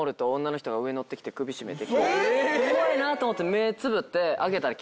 怖いなと思って。